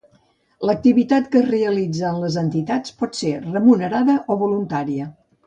L'activitat que es realitza en les entitats pot ser remunerada o voluntària.